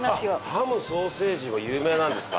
ハムソーセージも有名なんですか？